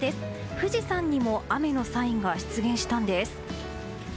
富士山にも雨のサインが出現したんです。